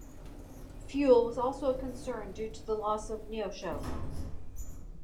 Fuel was also a concern due to the loss of "Neosho".